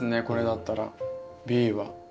これだったらＢは。